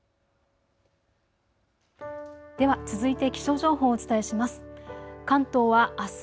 では続いて気象情報をお伝えします。